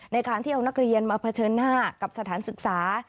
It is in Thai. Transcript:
ในการที่เอานักเรียนมาเผชิญหน้ากับสถานศึกษา